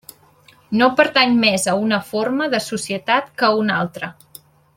No pertany més a una forma de societat que a una altra.